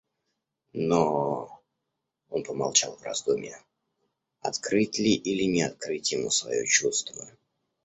Но... — он помолчал в раздумьи, открыть ли или не открыть ему свое чувство.